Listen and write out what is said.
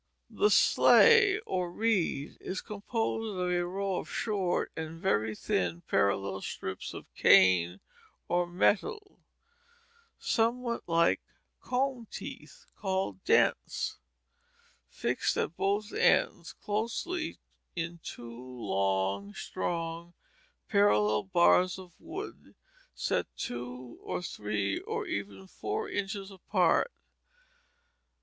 The sley or reed is composed of a row of short and very thin parallel strips of cane or metal, somewhat like comb teeth, called dents, fixed at both ends closely in two long, strong, parallel bars of wood set two or three or even four inches apart.